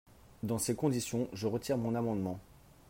Dans ces conditions, je retire mon amendement.